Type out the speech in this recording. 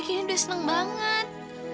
keni udah seneng banget